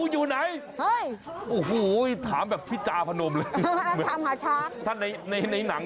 เย็น